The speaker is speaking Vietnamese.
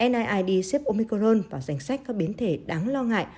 niid xếp omicron vào danh sách các biến thể đáng lo ngại